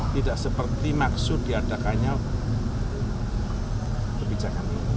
tidak seperti maksud diadakannya kebijakan ini